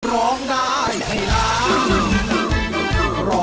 ร้องได้ให้ล้าน